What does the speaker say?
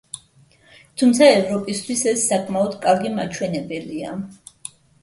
თუმცა ევროპისთვის ეს საკმაოდ კარგი მაჩვენებელია.